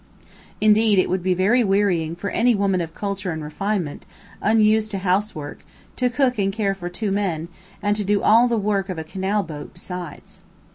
Indeed, it would be very wearying for any woman of culture and refinement, unused to house work, to cook and care for two men, and to do all the work of a canal boat besides.